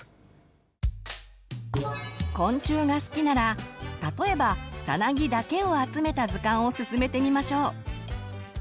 昆虫が好きなら例えばさなぎだけを集めた図鑑をすすめてみましょう。